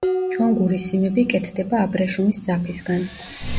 ჩონგურის სიმები კეთდება აბრეშუმის ძაფისგან.